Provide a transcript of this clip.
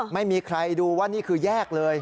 ไม่มีใครดูว่านี่คือแยกเลย